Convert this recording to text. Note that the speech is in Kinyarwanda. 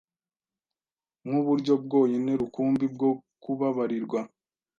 nk’uburyo bwonyine rukumbi bwo kubabarirwa.